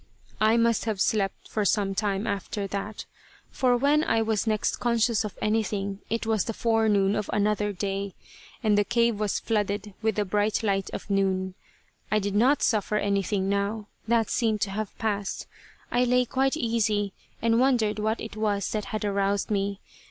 I must have slept for some time after that, for when I was next conscious of anything it was the forenoon of another day, and the cave was flooded with the bright light of noon. I did not suffer anything now. That seemed to have passed. I lay quite easy, and wondered what it was that had aroused me.